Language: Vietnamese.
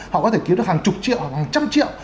họ có thể kiếm được hàng chục triệu hoặc hàng trăm triệu